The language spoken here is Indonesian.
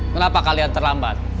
kenapa kalian terlambat